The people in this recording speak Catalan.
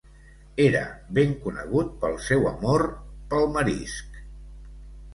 Era ben conegut pel seu amor pel marisc.